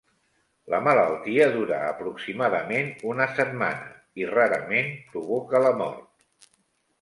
La malaltia dura aproximadament una setmana i rarament provoca la mort.